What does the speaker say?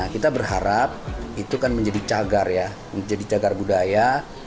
kita berharap itu kan menjadi cagar ya menjadi cagar budaya